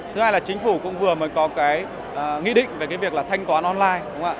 thứ hai là chính phủ cũng vừa mới có cái nghị định về cái việc là thanh toán online